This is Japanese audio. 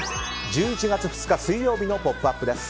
１１月２日水曜日の「ポップＵＰ！」です。